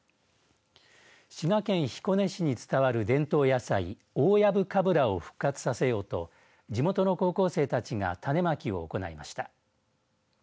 滋賀県彦根市に伝わる伝統野菜大藪かぶらを復活させようと地元の高校生たちが種まきを行いました。